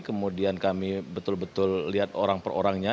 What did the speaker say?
kemudian kami betul betul lihat orang per orangnya